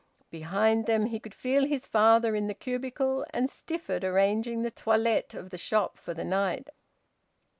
Behind them he could feel his father in the cubicle, and Stifford arranging the toilette of the shop for the night.